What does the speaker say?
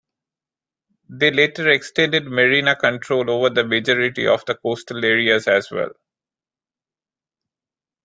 They later extended Merina control over the majority of the coastal areas as well.